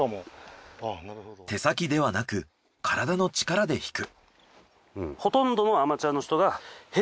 手先ではなく体の力で引く。